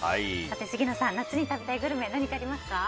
杉野さん、夏に食べたいグルメ何かありますか？